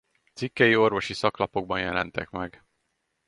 Cikkei orvosi szaklapokban jelentek meg.